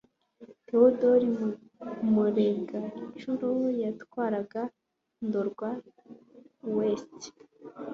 Teodori Muregancuro yatwaraga Ndorwa I Ouest